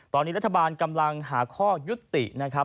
ตอนนี้รัฐบาลกำลังหาข้อยุตินะครับ